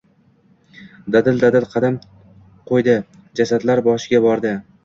Dadil-dadil qadam qo‘ydi. Jasadlar boshiga bordi.